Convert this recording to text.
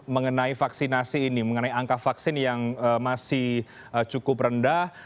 mengenai vaksinasi ini mengenai angka vaksin yang masih cukup rendah